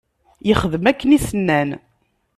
Yexdem akken i s-nnan.